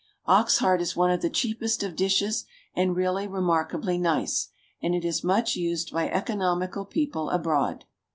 Ox heart is one of the cheapest of dishes, and really remarkably nice, and it is much used by economical people abroad.